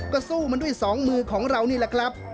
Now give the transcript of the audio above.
ก็สู้มันด้วยสองมือของเรานี่แหละครับ